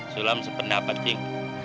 sulam sependapat cing